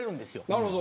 なるほど！